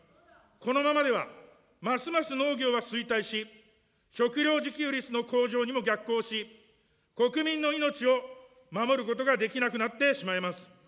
このままでは、ますます農業は衰退し、食料自給率の向上にも逆行し、国民の命を守ることができなくなってしまいます。